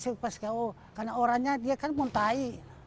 karena orangnya dia kan montai